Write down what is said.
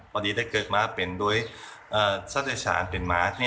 พอดีได้เกิดมาเป็นด้วยสัตว์เดรัชานเป็นหมา